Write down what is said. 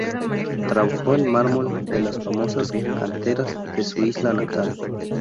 Trabajó el mármol de las famosas canteras de su isla natal.